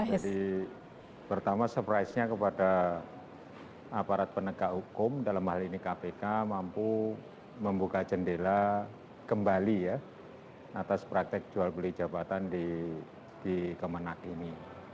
jadi pertama surprise nya kepada aparat penegak hukum dalam hal ini kpk mampu membuka jendela kembali ya atas praktek jual beli jabatan di kemenang ini